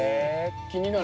気になる。